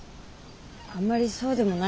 あんまりそうでもないですよ。